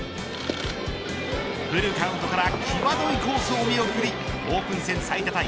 フルカウントから際どいコースを見送りオープン戦最多